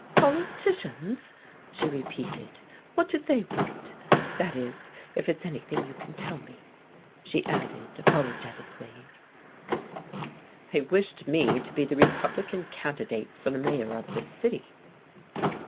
"Politicians!" she repeated. "What did they want? That is, if it's anything you can tell me," she added apologetically. "They wished me to be the Republican candidate for the mayor of this city."